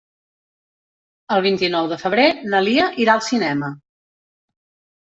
El vint-i-nou de febrer na Lia irà al cinema.